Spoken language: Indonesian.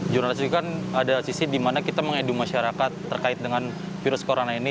jurnalis ini kan ada sisi di mana kita mengeduh masyarakat terkait dengan virus corona ini